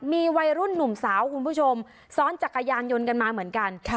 มีวัยรุ่นหนุ่มสาวคุณผู้ชมซ้อนจักรยานยนต์กันมาเหมือนกัน